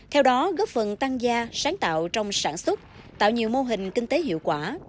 theo đó góp phần tăng gia sáng tạo trong sản xuất tạo nhiều mô hình kinh tế hiệu quả